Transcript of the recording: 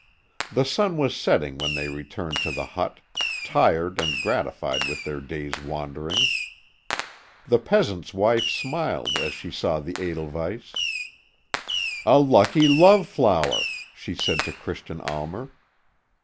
The sun was setting when they returned to the hut, tired and gratified with their day's wanderings. The peasant's wife smiled as she saw the edelweiss. "A lucky love flower," she said to Christian Almer.